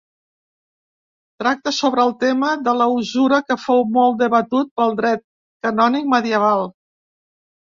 Tracta sobre el tema de la usura, que fou molt debatut pel Dret Canònic medieval.